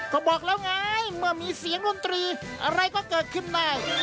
ก็บอกแล้วไงเมื่อมีเสียงดนตรีอะไรก็เกิดขึ้นได้